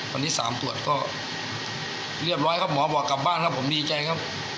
วันที่๓ตรวจก็เรียบร้อยครับหมอบอกกลับบ้านครับผมดีใจครับ